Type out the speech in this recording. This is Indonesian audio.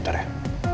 ya biarin aja